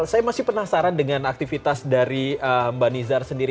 saya masih penasaran dengan aktivitas dari mbak nizar sendiri